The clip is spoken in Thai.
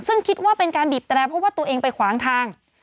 ซึ่งคิดว่าเป็นการบีบแตรเพราะว่าตัวเองไปขวางทาง